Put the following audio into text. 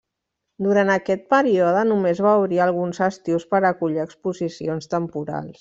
Durant aquest període només va obrir alguns estius per acollir exposicions temporals.